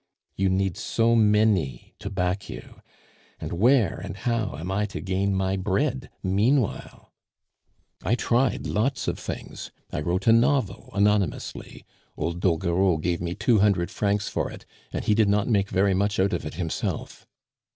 You need so many to back you. And where and how am I to gain my bread meanwhile? "I tried lots of things; I wrote a novel, anonymously; old Doguereau gave me two hundred francs for it, and he did not make very much out of it himself.